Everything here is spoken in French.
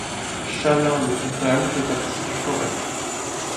Chalain-le-Comtal fait partie du Forez.